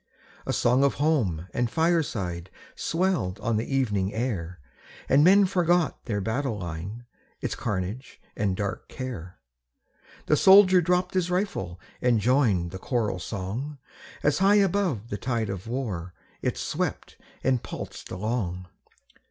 A song of home and fireside Swelled on the evening air, And men forgot their battle line, Its carnage and dark care ; The soldier dropp'd his rifle And joined the choral song, As high above the tide of war It swept and pulsed along.